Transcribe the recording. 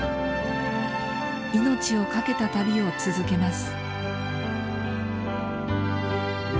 命を懸けた旅を続けます。